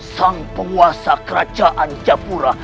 sang penguasa kerajaan japura